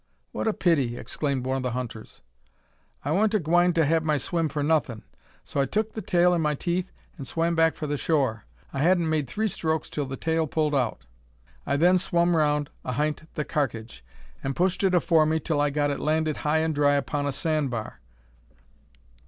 "What a pity!" exclaimed one of the hunters. "I wa'n't a gwine to have my swim for nuthin'; so I tuk the tail in my teeth, an' swam back for the shore. I hadn't made three strokes till the tail pulled out! "I then swum round ahint the karkidge, an' pushed it afore me till I got it landed high an' dry upon a sandbar.